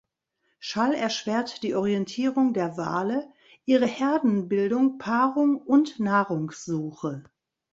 Schall erschwert die Orientierung der Wale, ihre Herdenbildung, Paarung und Nahrungssuche.